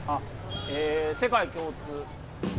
世界共通。